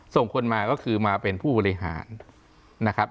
ส่งคนมาก็คือมาเป็นผู้บริหารนะครับ